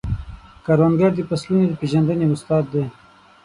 کروندګر د فصلونو د پیژندنې استاد دی